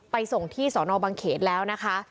ส่งที่สอนอบังเขตแล้วนะคะ